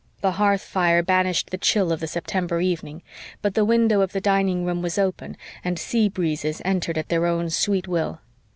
The hearth fire banished the chill of the September evening, but the window of the dining room was open and sea breezes entered at their own sweet will.